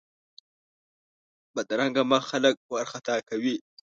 بدرنګه مخ خلک وارخطا کوي